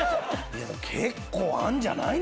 結構あるんじゃないの？